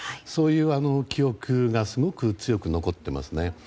そういう記憶がすごく強く残っています。